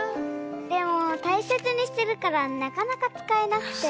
でもたいせつにしてるからなかなかつかえなくて。